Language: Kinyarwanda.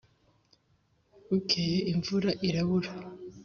bukeye imvura irabura,